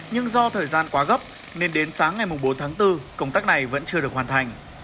nhưng do thời gian quá gấp nên đến sáng ngày bốn tháng bốn công tác này vẫn chưa được hoàn thành